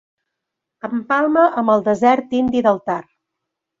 Empalma amb el desert indi del Thar.